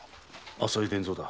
浅井伝蔵だ。